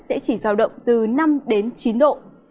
sẽ chỉ sao động từ năm đến chín độ